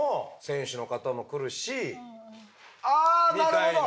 あぁなるほど。